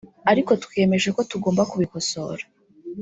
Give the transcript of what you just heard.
ariko twiyemeje ko tugomba kubikosora